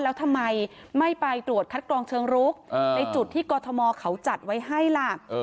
แล้วทำไมไม่ไปตรวจคัดกรองเชิงรุกในจุดที่กรทมเขาจัดไว้ให้ล่ะ